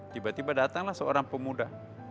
tiba tiba datanglah seorang pemuda